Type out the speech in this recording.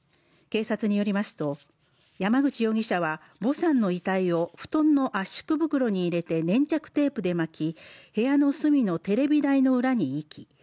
警察によりますと、山口容疑者はヴォさんの遺体をふとんの圧縮袋に入れて粘着テープで巻き部屋の隅のテレビ台の裏に遺棄。